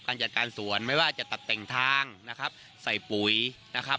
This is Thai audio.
จัดการสวนไม่ว่าจะตัดแต่งทางนะครับใส่ปุ๋ยนะครับ